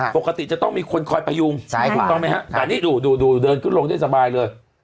ปกติจะต้องมีคนคอยพยุงถูกต้องไหมฮะแต่นี่ดูเดินขึ้นลงได้สบายเลย